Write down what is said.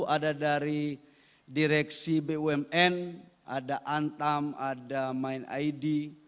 ada dari direksi bumn ada antam ada main id